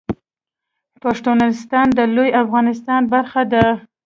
پښتونستان د لوی افغانستان برخه ده